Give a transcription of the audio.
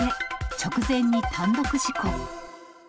直前に単独事故。